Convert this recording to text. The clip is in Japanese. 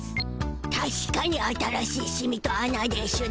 たしかに新しいシミとあなでしゅな。